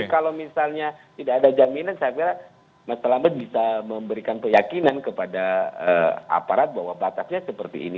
kalau misalnya tidak ada jaminan saya kira mas terlambat bisa memberikan keyakinan kepada aparat bahwa batasnya seperti ini